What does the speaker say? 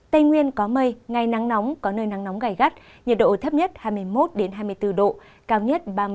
tây nguyên có mây ngày nắng nóng có nơi nắng nóng gây gắt nhiệt độ thấp nhất hai mươi một hai mươi bốn độ cao nhất ba mươi bốn ba mươi chín độ